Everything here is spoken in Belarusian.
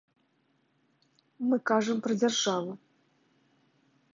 Мы кажам пра дзяржаву.